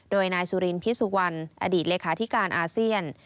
โดยนายสุรินพิสุวรรณอดีตเลขาธิการอาเซียน